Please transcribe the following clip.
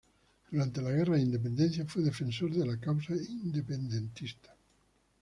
Durante la guerra de independencia fue defensor de la causa independentista.